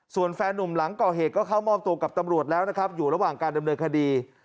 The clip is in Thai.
ส่วนแฟนนุ่มหลังก่อเหตุก็เข้ามอบตัวกับตำรวจแล้วนะครับอยู่ระหว่างการดำเนินคดี